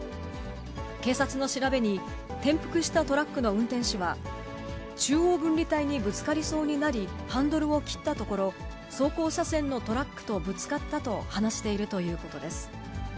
警察の調べに、転覆したトラックの運転手は、中央分離帯にぶつかりそうになり、ハンドルを切ったところ、走行車線のトラックとぶつかったと話しているということです。